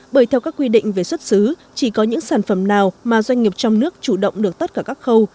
bởi theo các quy định về xuất xứ chỉ có những sản phẩm nào mà doanh nghiệp trong nước chủ động được tất cả các khâu